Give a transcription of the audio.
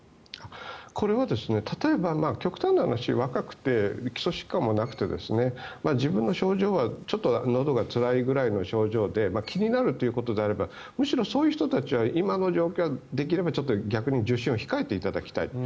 これは例えば極端な話若くて基礎疾患もなくて自分の症状がのどがちょっとつらいぐらいの症状で気になるぐらいであればそういう方は今の状況、できれば受診を控えていただきたい。